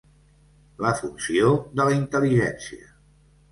La funció de la intel·ligència.